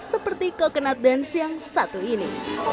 seperti coconut dance yang satu ini